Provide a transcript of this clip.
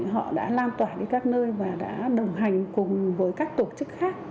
họ đã lan tỏa đi các nơi và đã đồng hành cùng với các tổ chức khác